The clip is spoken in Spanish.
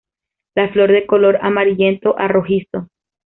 La flor de color amarillento a rojizo.